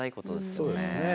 そうですね。